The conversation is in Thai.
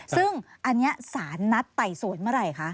ซึ่งอันนี้สารนัดไต่สวนเมื่อไหร่คะ